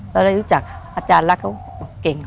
เราได้รู้จักอาจารย์แล้วก็เก่ง